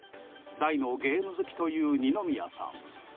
大のゲーム好きという二宮さん。